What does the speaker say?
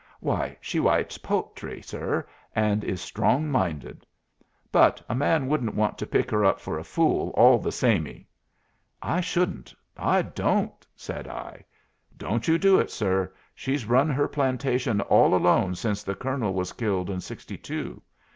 Why she writes po'try, sir, and is strong minded. But a man wouldn't want to pick her up for a fool, all the samey." "I shouldn't; I don't," said I. "Don't you do it, sir. She's run her plantation all alone since the Colonel was killed in sixty two.